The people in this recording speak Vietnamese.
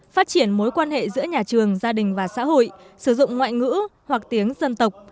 phát triển mối quan hệ giữa nhà trường gia đình và xã hội sử dụng ngoại ngữ hoặc tiếng dân tộc